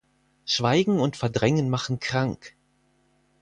Schweigen und Verdrängen machen krank!